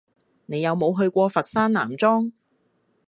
你有冇去過佛山南莊？